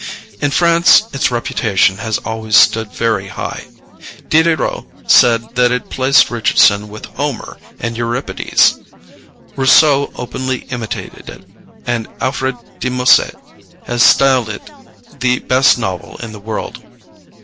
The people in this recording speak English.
In France its reputation has always stood very high. Diderot said that it placed Richardson with Homer and Euripides, Rousseau openly imitated it, and Alfred de Musset has styled it the best novel in the world.